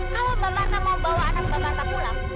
kalau mbak marta mau bawa anak mbak marta pulang